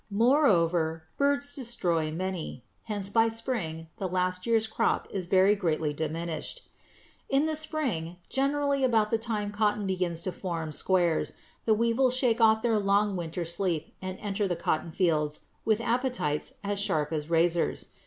Moreover birds destroy many; hence by spring the last year's crop is very greatly diminished. In the spring, generally about the time cotton begins to form "squares," the weevils shake off their long winter sleep and enter the cotton fields with appetites as sharp as razors.